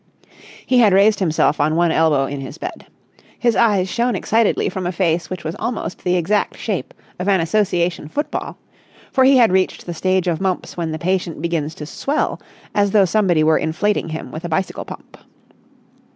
He had raised himself on one elbow in his bed. His eyes shone excitedly from a face which was almost the exact shape of an Association football; for he had reached the stage of mumps when the patient begins to swell as though somebody were inflating him with a bicycle pump.